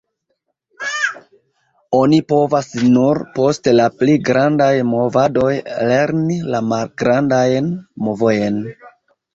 Oni povas nur post la pli grandaj movadoj lerni la malgrandajn movojn.